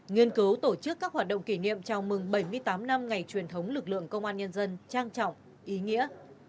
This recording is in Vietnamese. nghiên cứu tổ chức các hoạt động kỷ niệm chào mừng bảy mươi tám năm ngày truyền thống lực lượng công an nhân dân trang trọng ý nghĩa